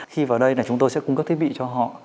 khi vào đây là chúng tôi sẽ cung cấp thiết bị cho họ